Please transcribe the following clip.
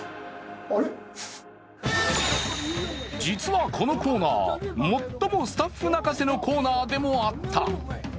実はこのコーナー、最もスタッフ泣かせのコーナーでもあった。